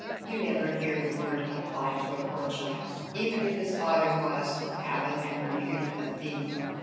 You never hear the word applied to a poor child, even if his father was, habit and repute, a thief.